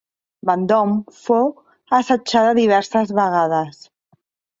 Vendôme fou assetjada diverses vegades.